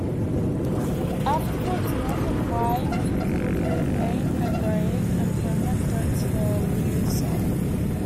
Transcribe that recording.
Afterwards, Northern Wei would remain a grave and permanent threat to the Liu Song.